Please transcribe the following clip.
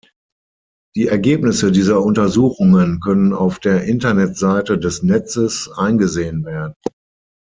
Die Ergebnisse dieser Untersuchungen können auf der Internetseite des Netzes eingesehen werden.